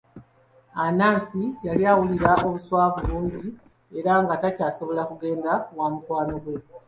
Anansi yali awulira obuswavu bungi era nga takyasobola kugenda wa mukwano gwe.